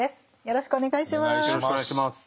よろしくお願いします。